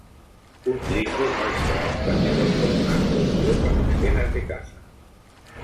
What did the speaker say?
Un glifo muestra a un cazador con un arco, y otros escenas de caza.